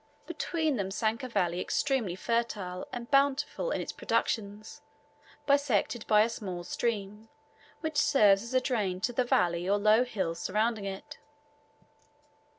Between them sank a valley extremely fertile and bountiful in its productions, bisected by a small stream, which serves as a drain to the valley or low hills surrounding it.